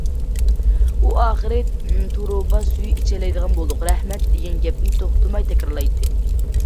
ئۇ: ئاخىرى تۇرۇبا سۈيى ئىچەلەيدىغان بولدۇق، رەھمەت، دېگەن گەپنى توختىماي تەكرارلايتتى.